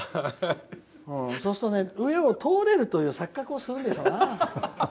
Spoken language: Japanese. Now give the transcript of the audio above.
そうすると上を通れるという錯覚をするんだよな。